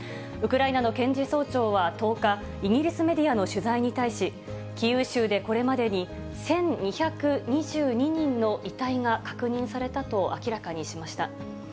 ウクライナの検事総長は１０日、イギリスメディアの取材に対し、キーウ州でこれまでに１２２２人の遺体が確認されたと明らかにしました。